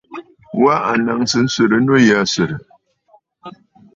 Wa a naŋsə nswegə nû yì aa swègə̀.